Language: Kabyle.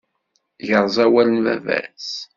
Yerẓa awal n baba-s.